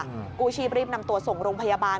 กู้ชีพรีบนำตัวส่งโรงพยาบาล